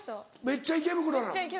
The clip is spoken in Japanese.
めっちゃ池袋に。